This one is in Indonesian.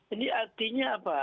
ini artinya apa